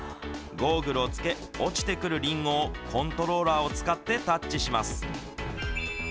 ゴーグルをつけ、落ちてくるリンゴをコントローラーを使ってタッチします。